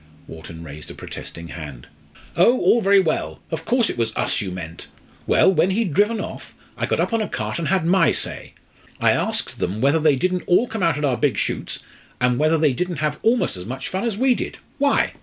Wharton raised a protesting hand. "Oh all very well! Of course it was us you meant! Well, when he'd driven off, I got up on a cart and had my say. I asked them whether they didn't all come out at our big shoots, and whether they didn't have almost as much fun as we did why!